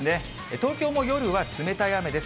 東京も夜は冷たい雨です。